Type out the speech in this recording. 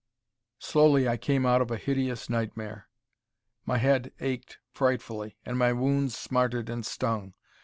Slowly I came out of a hideous nightmare. My head ached frightfully, and my wounds smarted and stung.